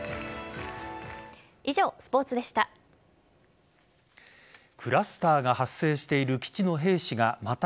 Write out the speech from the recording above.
以上、スポーツでした。